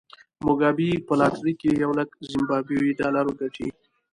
موګابي په لاټرۍ کې یو لک زیمبابويي ډالر ګټي.